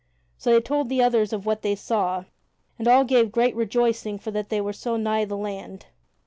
So they told the others of what they saw, and all gave great rejoicing for that they were so nigh the land.